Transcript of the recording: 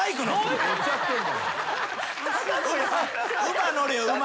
馬乗れよ馬。